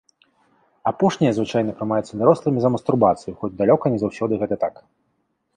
Апошняе звычайна прымаецца дарослымі за мастурбацыю, хоць далёка не заўсёды гэта такі.